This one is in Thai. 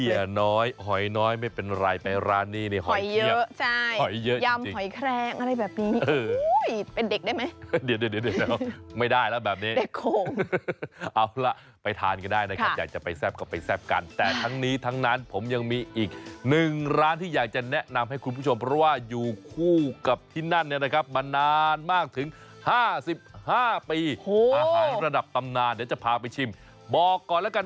เบี้ยน้อยหอยน้อยไม่เป็นไรไปร้านนี้หอยเยอะหอยเยอะใช่หอยยำหอยแครงอะไรแบบนี้อุ้ยเป็นเด็กได้ไหมเดี๋ยวเดี๋ยวเดี๋ยวเดี๋ยวไม่ได้แล้วแบบนี้เด็กโกงเอาล่ะไปทานก็ได้นะครับอยากจะไปแซ่บก็ไปแซ่บกันแต่ทั้งนี้ทั้งนั้นผมยังมีอีกหนึ่งร้านที่อยากจะแนะนำให้คุณผู้ชมเพราะว่าอยู่คู่กับที่นั่นเนี่ยนะครับมานานมาก